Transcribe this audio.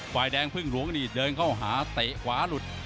ฝ่ายแดงพึ่งหลวงนี่เดินเข้าหาเตะขวาหลุด